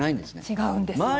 違うんですよ。